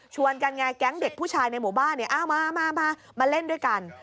กันไงแก๊งเด็กผู้ชายในหมู่บ้านมามาเล่นด้วยกัน